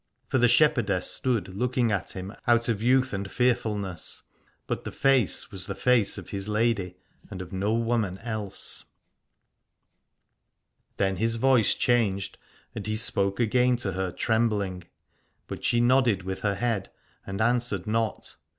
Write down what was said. For the shepherdess stood looking at him out of youth and fearfulness : but the face was the face of his lady and of no woman else. N 193 Aladore Then his voice changed, and he spoke again to her trembling: but she nodded with her head and answered not.